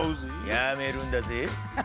やめるんだぜぇ。